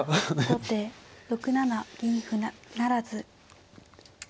後手６七銀不成。